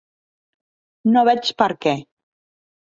No veig per què.